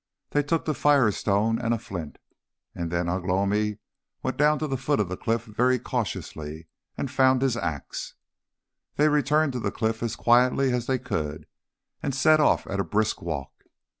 They took the firestone and a flint, and then Ugh lomi went down to the foot of the cliff very cautiously, and found his axe. They returned to the cliff as quietly as they could, and set off at a brisk walk.